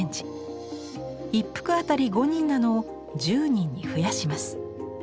一幅当たり５人なのを１０人に増やします。